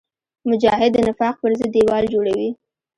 مجاهد د نفاق پر ضد دیوال جوړوي.